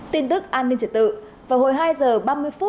tin tức an ninh trở tự